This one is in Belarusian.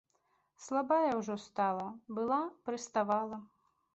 Слабая ўжо стала была, прыставала.